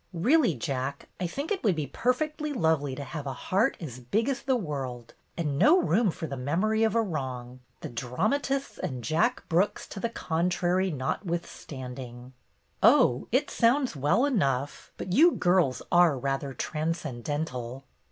"Really, Jack, I think it would be per fectly lovely to have a heart as big as the world and no room for the memory of a wrong, the dramatists and Jack Brooks to the con trary notwithstanding." "Oh, it sounds well enough. But you girls are rather transcendental."